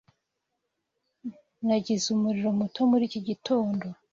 Nagize umuriro muto muri iki gitondo.